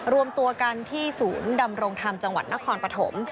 รวมตัวกันที่ศูนย์ดำรงธรรมจังหวัดนครปฐม